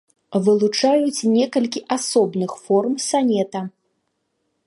Вылучаюць некалькі асобных форм санета.